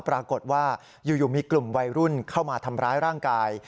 ปรากฏว่าอยู่มีกลุ่มวัยรุ่นเข้ามาทำร้ายร่างกาย